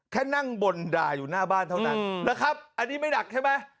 แค่นั่งบนด่าอยู่หน้าบ้านเท่านั้นนะครับอันนี้ไม่หนักใช่ไหม